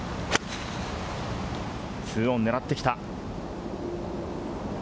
２オン、狙ってきた。